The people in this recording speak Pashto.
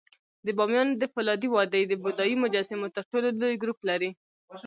د بامیانو د فولادي وادي د بودایي مجسمو تر ټولو لوی ګروپ لري